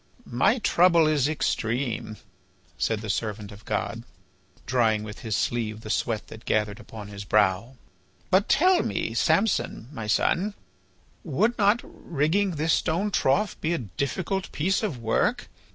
"My trouble is extreme," said the servant of God, drying with his sleeve the sweat that gathered upon his brow. "But tell me, Samson, my son, would not rigging this stone trough be a difficult piece of work?